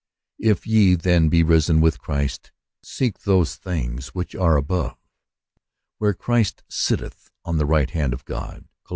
"If ye then be risen with Christ, seek those things which are above, where Christ sitteth on the right hand of God*' (Col.